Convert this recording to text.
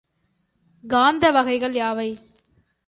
காந்த வகைகள் யாவை?